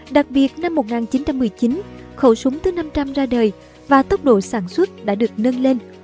đặc biệt năm một nghìn chín trăm một mươi chín khẩu súng thứ năm trăm linh ra đời và tốc độ sản xuất đã được nâng lên